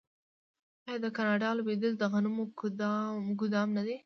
آیا د کاناډا لویدیځ د غنمو ګدام نه دی؟